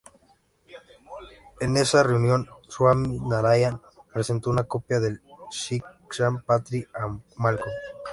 En esa reunión, Suami Naraian presentó una copia del "Shiksha-patri" a Malcolm.